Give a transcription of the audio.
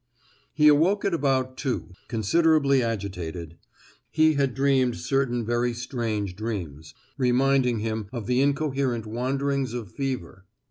He awoke at about two, considerably agitated; he had dreamed certain very strange dreams, reminding him of the incoherent wanderings of fever.